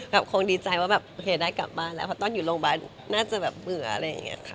คงดีใจว่าแบบโอเคได้กลับบ้านแล้วเพราะตอนอยู่โรงพยาบาลน่าจะแบบเบื่ออะไรอย่างนี้ค่ะ